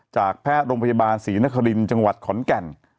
จากแพทย์โรงพยาบาลศรีนครินทร์จังหวัดขอนแก่น